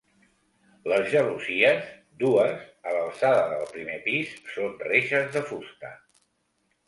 Les gelosies, dues, a l'alçada del primer pis, són reixes de fusta.